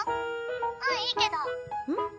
うんいいけどうん？